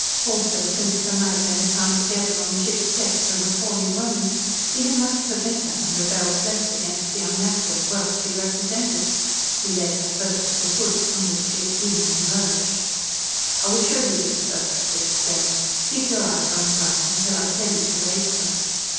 Also, since the night they had come together on the ship's deck for an appalling moment, he had liked her better and rebelled less against the unnatural wealth she represented. He led her first to the wood from which she had seen him emerge. "I will show you this first," he explained. "Keep your eyes on the ground until I tell you to raise them."